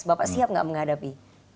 bapak siap gak menghadapi